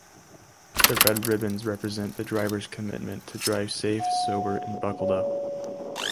The red ribbons represent the drivers' commitment to drive safe, sober and buckled up.